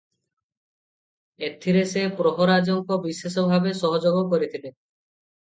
ଏଥିରେ ସେ ପ୍ରହରାଜଙ୍କ ବିଶେଷ ଭାବେ ସହଯୋଗ କରିଥିଲେ ।